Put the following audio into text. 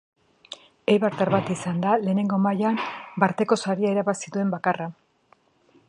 Eibartar bat izan da lehenengo mailan barteko saria irabazi duen bakarra.